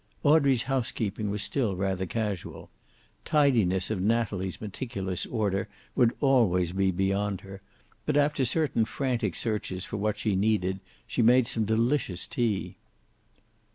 Audrey's housekeeping was still rather casual. Tidiness of Natalie's meticulous order would always be beyond her, but after certain frantic searches for what was needed, she made some delicious tea.